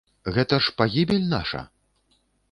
Гэта ж пагібель наша?